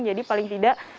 jadi paling tidak